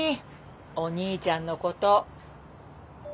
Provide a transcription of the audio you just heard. お兄ちゃんのこと。